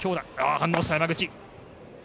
反応した、山口。